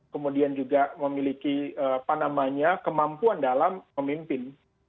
kemudian juga memiliki kemampuan dalam memimpin